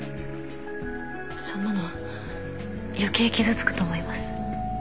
そんなの余計傷つくと思います